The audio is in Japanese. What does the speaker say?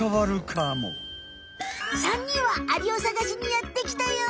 ３にんはアリをさがしにやってきたよ！